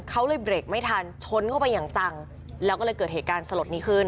เขาเลยเบรกไม่ทันชนเข้าไปอย่างจังแล้วก็เลยเกิดเหตุการณ์สลดนี้ขึ้น